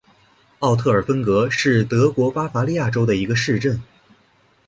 奥特尔芬格是德国巴伐利亚州的一个市镇。